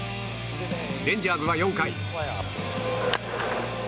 レンジャーズは４回。